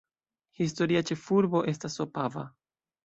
Historia ĉefurbo estas Opava.